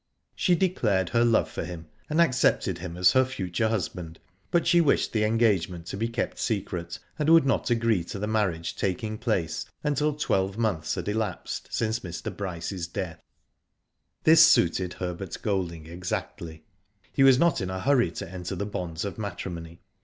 She declared her love for him, and accepted him as her future husband, but she wished the engage ment to be kept secret, and would not agree to Digitized byGoogk 142 IVHO DID ITf the marriage taking place until twelve months had elapsed since Mr. Bryce's death. This suited Herbert Golding exactly. He was not in a hurry to enter the bonds of matrimony.